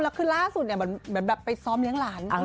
และลาสุดให้ซ้อมเลี้ยงหลาน